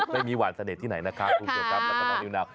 ไม่มีหวานเสน็จที่ไหนนะคะคุณผู้ชมรับคำว่านิวนาว